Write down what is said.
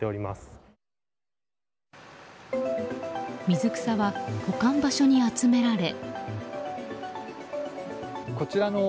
水草は保管場所に集められ。